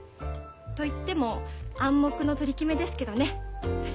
と言っても暗黙の取り決めですけどね。